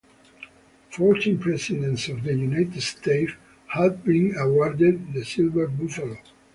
Fourteen Presidents of the United States have been awarded the Silver Buffalo.